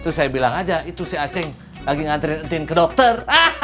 itu saya bilang aja itu si aceh lagi ngantri entin ke dokter